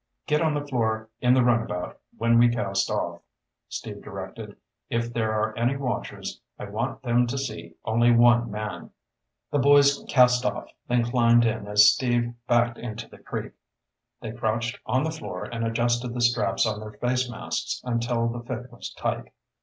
"Get on the floor in the runabout when we cast off," Steve directed. "If there are any watchers, I want them to see only one man." The boys cast off, then climbed in as Steve backed into the creek. They crouched on the floor and adjusted the straps on their face masks until the fit was tight.